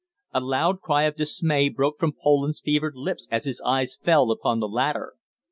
A loud cry of dismay broke from Poland's fevered lips as his eyes fell upon the latter.